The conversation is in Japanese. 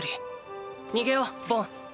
逃げようボン。